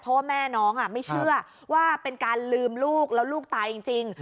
เพราะว่าแม่น้องไม่เชื่อว่าเป็นการลืมลูกแล้วลูกตายจริง